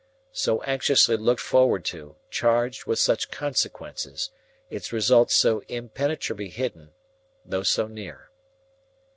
So anxiously looked forward to, charged with such consequences, its results so impenetrably hidden, though so near.